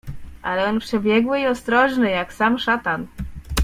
"Ale on przebiegły i ostrożny, jak sam szatan."